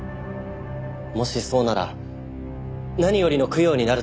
もしそうなら何よりの供養になると思います。